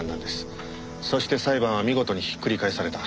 そして裁判は見事にひっくり返された。